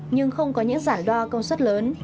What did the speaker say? nhưng không có những giản đoan công suất lớn